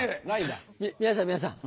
皆さん皆さん